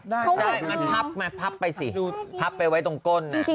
ได้มาพับมาพับไปสิพับไปไว้ตรงก้น